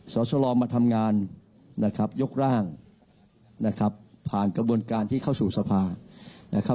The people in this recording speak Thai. สสลมาทำงานยกร่างผ่านกระบวนการที่เข้าสู่สภา